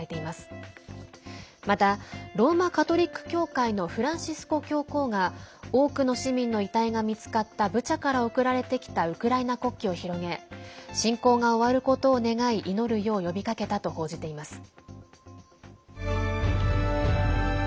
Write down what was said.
また、ローマ・カトリック教会のフランシスコ教皇が多くの市民の遺体が見つかったブチャから送られてきたウクライナ国旗を広げ侵攻が終わることを願い祈るよう呼びかけたと報じています。